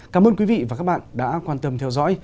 cảm ơn quý vị và các bạn đã quan tâm theo dõi